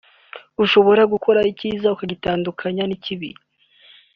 ushobora gukora icyiza ukagitandukanya n’ikibi